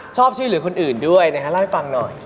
ชอบช่วยเหลือคนอื่นด้วยนะฮะเล่าให้ฟังหน่อย